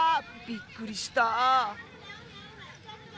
びっくりした。